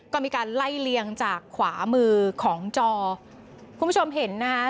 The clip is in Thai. ก็มีการไล่เลียงจากขวามือของจอคุณผู้ชมเห็นนะคะ